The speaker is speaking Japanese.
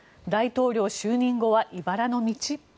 大統領就任後はいばらの道？